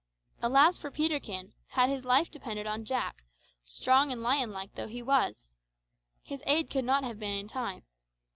Alas for Peterkin, had his life depended on Jack, strong and lion like though he was! His aid could not have been in time.